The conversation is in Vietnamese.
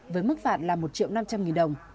với mức phạt là một triệu năm trăm linh nghìn đồng